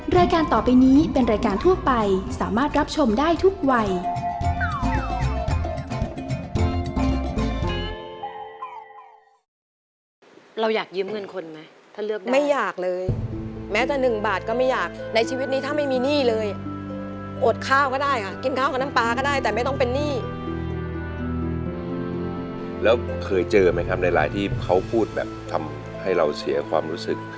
รายการต่อไปนี้เป็นรายการทั่วไปสามารถรับชมได้ทุกวัย